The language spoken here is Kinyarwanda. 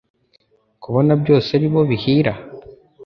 kubona byose ari bo bihira